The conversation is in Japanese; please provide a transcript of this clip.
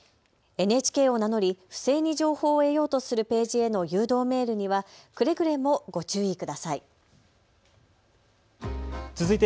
ＮＨＫを名乗り不正に情報を得ようとするページへの誘導メールにはくれぐれもご注意ください。